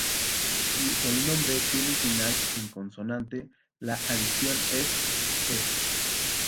Si el nombre tiene final en consonante, la adición es "-es".